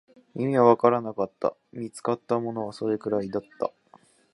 意味はわからなかった、見つかったものはそれくらいだった